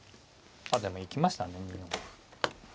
あっでも行きましたね